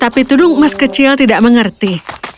tapi tudung emas kecil tidak mengerti